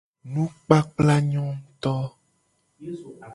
Nukpakpla nyo nguuto.